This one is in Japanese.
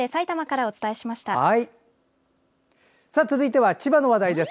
続いては千葉の話題です。